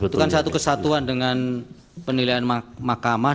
itu kan satu kesatuan dengan penilaian makamah